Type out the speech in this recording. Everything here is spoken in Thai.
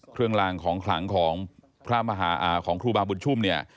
เครื่องรางของขรังของครูบาอบุญชุมเนี่ย